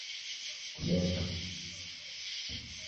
Kudeka